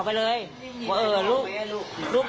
มึงอยากให้ผู้ห่างติดคุกหรอ